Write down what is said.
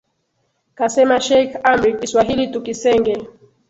Kasema sheikh Amri, kiswahili tukisenge,